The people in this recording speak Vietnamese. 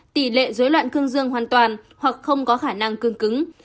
tỷ lệ dối loạn cương dương hoàn toàn hoặc không có khả năng cương cứng